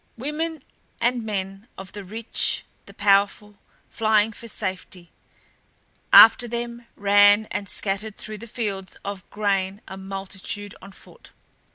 Women and men of the rich, the powerful, flying for safety; after them ran and scattered through the fields of grain a multitude on foot.